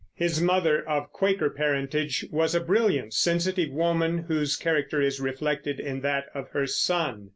His mother, of Quaker parentage, was a brilliant, sensitive woman, whose character is reflected in that of her son.